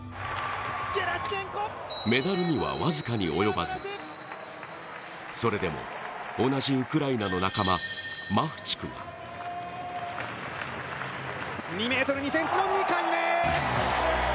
メダルには僅かに及ばずそれでも、同じウクライナの仲間・マフチクが２ｍ２ｃｍの２回目。